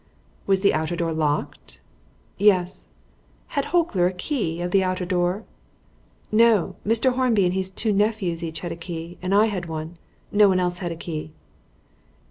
"Was the outer door locked?" "Yes." "Had Holker a key of the outer door?" "No. Mr. Hornby and his two nephews had each a key, and I have one. No one else had a key."